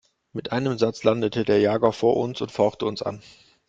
Mit einem Satz landete der Jaguar vor uns und fauchte uns an.